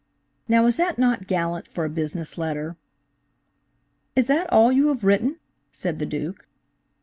Now, is not that gallant for a business letter?" "Is that all you have written?" said the Duke.